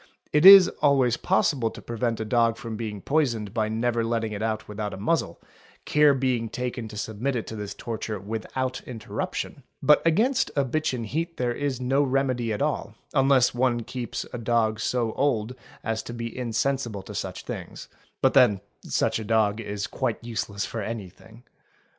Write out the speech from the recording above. It is always possible to prevent a dog being poisoned by never letting it out without am | OTHER PREPARATIONS 677 muzzle, care being taken to submit it to this torture without interrup tion; but against a bitch in heat there is no remedy at all, unless one keeps a dog so old as to be insensible to such things—but then such a dog is quite useless for anything.